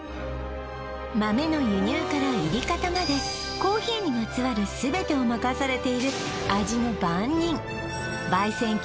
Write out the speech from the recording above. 豆の輸入から煎り方までコーヒーにまつわる全てを任されている味の番人